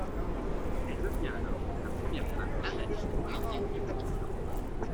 Elle devient alors la première femme analyste politique du Pakistan.